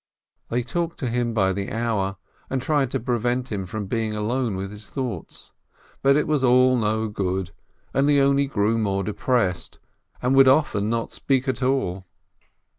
They talked to him by the hour, and tried to prevent him from being alone with his thoughts, but it was all no good ; he only grew more depressed, and would often not speak at all.